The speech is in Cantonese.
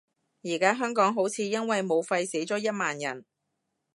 而家香港好似因為武肺死咗一萬人